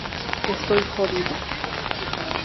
Estoy jodido.